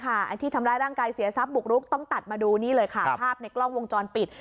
ไอ้ที่ทำร้ายร่างกายเสียทรัพย์บุกรุกต้องตัดมาดูนี่เลยค่ะภาพในกล้องวงจรปิด